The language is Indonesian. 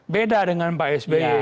beda dengan pak sby